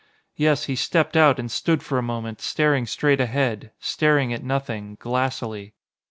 Yes, he stepped out and stood for a moment staring straight ahead, staring at nothing, glassily.